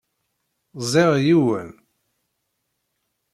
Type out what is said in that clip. Ẓẓiɣ yiwen.